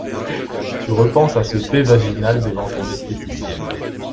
Tu repenses à ce pet vaginal devant ton esthéticienne.